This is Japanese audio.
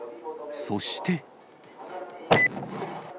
そして。